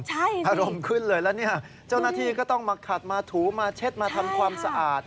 อารมณ์ขึ้นเลยแล้วเนี่ยเจ้าหน้าที่ก็ต้องมาขัดมาถูมาเช็ดมาทำความสะอาด